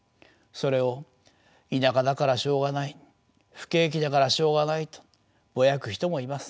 それを田舎だからしょうがない不景気だからしょうがないとぼやく人もいます。